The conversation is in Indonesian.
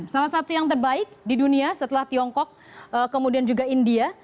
salah satu yang terbaik di dunia setelah tiongkok kemudian juga india